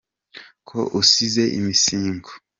Ko usize imisingo